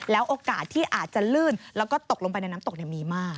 โอกาสที่อาจจะลื่นแล้วก็ตกลงไปในน้ำตกมีมาก